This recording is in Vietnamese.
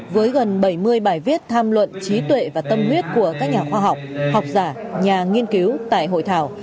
với gần bảy mươi bài viết tham luận trí tuệ và tâm huyết của các nhà khoa học học giả nhà nghiên cứu tại hội thảo